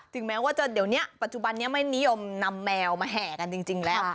แม้ว่าเดี๋ยวนี้ปัจจุบันนี้ไม่นิยมนำแมวมาแห่กันจริงแล้ว